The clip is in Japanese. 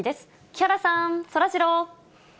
木原さん、そらジロー。